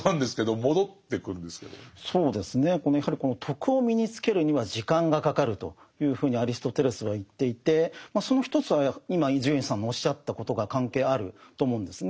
そうですねやはりこの「徳」を身につけるには時間がかかるというふうにアリストテレスは言っていてその一つは今伊集院さんのおっしゃったことが関係あると思うんですね。